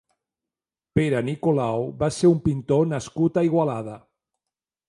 Pere Nicolau va ser un pintor nascut a Igualada.